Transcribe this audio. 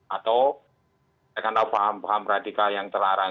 atau saya tidak tahu paham paham radikal yang terlarang